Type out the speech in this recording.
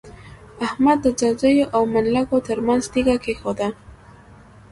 احمد د ځاځيو او منلګو تر منځ تيږه کېښوده.